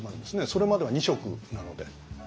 それまでは２食なので。